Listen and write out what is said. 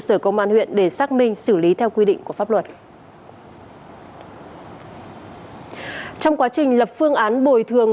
sở công an huyện để xác minh xử lý theo quy định của pháp luật trong quá trình lập phương án bồi thường